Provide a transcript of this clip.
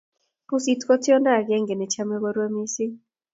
pusii kochonto akenge nehomei koruei misiiing